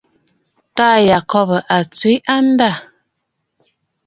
Taà Yacob a tswe andâ.